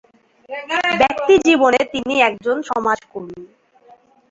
ব্যক্তিজীবনে তিনি একজন সমাজকর্মী।